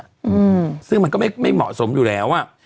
อืมซึ่งมันก็ไม่ไม่เหมาะสมอยู่แล้วอ่ะ